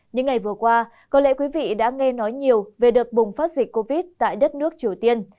những ngày vừa qua có lẽ quý vị đã nghe nói nhiều về đợt bùng phát dịch covid một mươi chín tại đất nước triều tiên